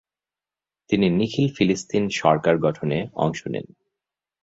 তিনি নিখিল ফিলিস্তিন সরকার গঠনে অংশ নেন।